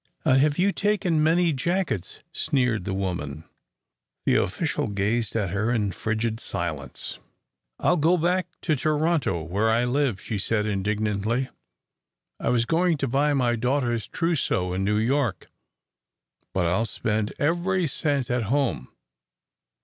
"And have you taken many jackets?" sneered the woman. The official gazed at her in frigid silence. "I'll go right back to Toronto, where I live," she said, indignantly. "I was going to buy my daughter's trousseau in New York, but I'll spend every cent at home.